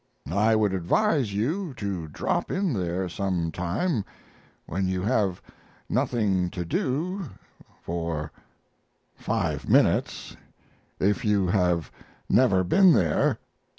I would advise you to drop in there some time when you have nothing to do for five minutes if you have never been there.